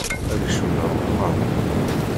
Ad kecmen ar wexxam.